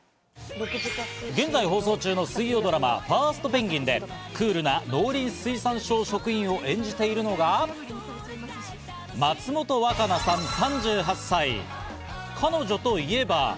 現在放送中の水曜ドラマ『ファーストペンギン！』でクールな農林水産省職員を演じているのが、松本若菜さん、３８歳。